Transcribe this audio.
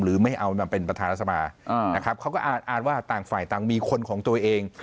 ไม่เอามาเป็นประธานรัฐสภานะครับเขาก็อาจว่าต่างฝ่ายต่างมีคนของตัวเอง